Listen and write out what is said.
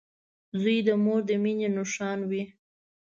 • زوی د مور د مینې نښان وي.